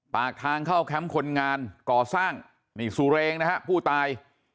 ปากทางเข้าแคมป์คนงานก่อสร้างนี่ซูเรงนะฮะผู้ตาย